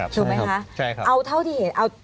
ถูกไหมคะเอาเท่าที่เห็น